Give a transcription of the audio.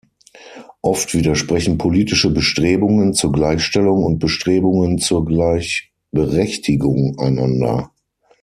Oft widersprechen politische Bestrebungen zur Gleichstellung und Bestrebungen zur Gleichberechtigung einander.